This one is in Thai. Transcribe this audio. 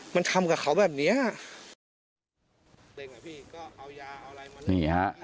มันทำกับเขาแบบนี้น่ะ